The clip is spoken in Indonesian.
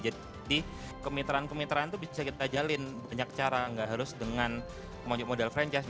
jadi kemitraan kemitraan itu bisa kita jalin banyak cara gak harus dengan modal franchise